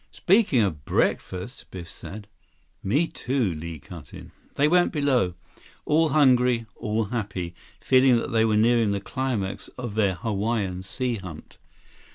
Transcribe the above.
"Speaking of breakfast—" Biff said. "Me, too," Li cut in. They went below. All hungry. All happy, feeling that they were nearing the climax of their Hawaiian sea hunt.